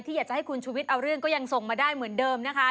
อยากจะให้คุณชุวิตเอาเรื่องก็ยังส่งมาได้เหมือนเดิมนะคะ